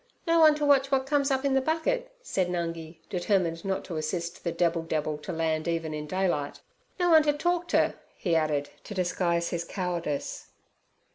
No one ter watch w'at comes up in ther bucket' said Nungi, determined not to assist the Debbil debbil to land even in daylight. 'No one ter talk ter' he added, to disguise his cowardice.